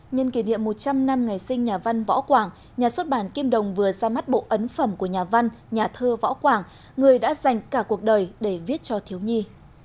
nhân kỷ niệm một trăm linh năm ngày sinh nhà văn võ quảng nhà xuất bản kim đồng vừa ra mắt bộ ấn phẩm của nhà văn nhà thơ võ quảng người đã dành cả cuộc đời để viết cho thiếu nhi